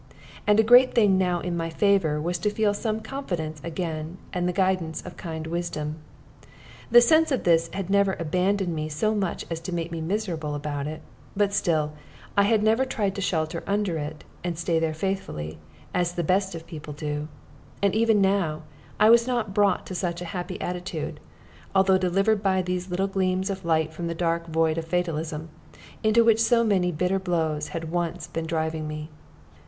And a great thing now in my favor was to feel some confidence again in the guidance of kind Wisdom. The sense of this never had abandoned me so much as to make me miserable about it; but still I had never tried to shelter under it, and stay there faithfully, as the best of people do. And even now I was not brought to such a happy attitude, although delivered by these little gleams of light from the dark void of fatalism, into which so many bitter blows had once been driving me.